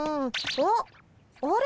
あっあれ？